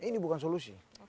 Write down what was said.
ini bukan solusi